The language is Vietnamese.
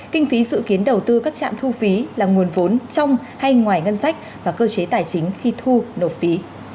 kinh phí dự kiến đầu tư các trạm thu phí là nguồn vốn trong hay ngoài ngân sách và cơ chế tài chính khi thu nộp phí